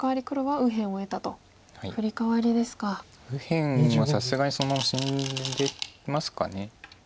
右辺はさすがに死んでますかね。